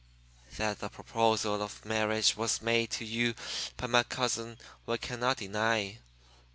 That the proposal of marriage was made to you by my cousin we cannot deny.